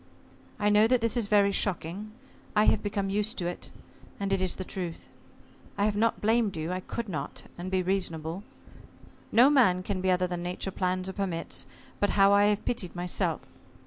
I know that this is very shocking. I have become used to it, and, it is the truth. I have not blamed you, I could not and be reasonable. No man can be other than Nature plans or permits, but how I have pitied myself!